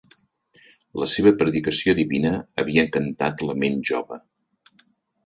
La seva predicació divina havia encantat la ment jove.